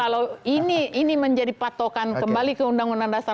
kalau ini menjadi patokan kembali ke undang undang dasar empat puluh lima